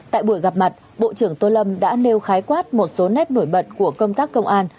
tại buổi gặp mặt bộ trưởng tô lâm đã nêu khái quát một số nét nổi bật của công tác công an